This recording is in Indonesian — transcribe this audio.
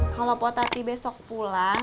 kalau po tati besok pulang